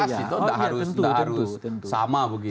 tapi untuk demokrasi itu tidak harus sama begitu